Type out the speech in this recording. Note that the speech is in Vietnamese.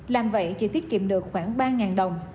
làm vậy chị tiết kiệm được khoảng ba đồng